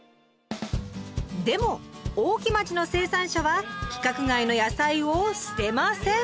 でも大木町の生産者は規格外の野菜を捨てません！